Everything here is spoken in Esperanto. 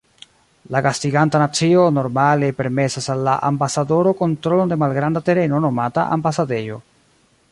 La gastiganta nacio normale permesas al la ambasadoro kontrolon de malgranda tereno nomata ambasadejo.